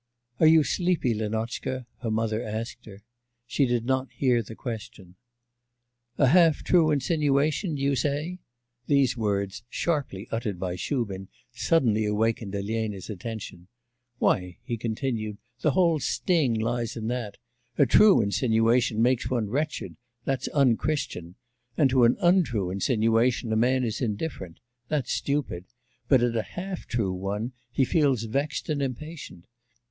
'Are you sleepy, Lenotchka?' her mother asked her. She did not hear the question. 'A half untrue insinuation, do you say?' These words, sharply uttered by Shubin, suddenly awakened Elena's attention. 'Why,' he continued, 'the whole sting lies in that. A true insinuation makes one wretched that's unchristian and to an untrue insinuation a man is indifferent that's stupid, but at a half true one he feels vexed and impatient.